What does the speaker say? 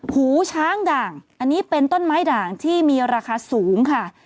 หูช้างด่างอันนี้เป็นต้นไม้ด่างที่มีราคาสูงค่ะ